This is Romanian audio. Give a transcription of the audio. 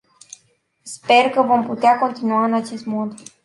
Sper că vom putea continua în acest mod.